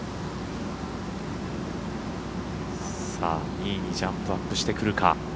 ２位にジャンプアップしてくるか。